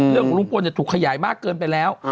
เรื่องของลุงพลถูกขยายมากเกินไปแล้ว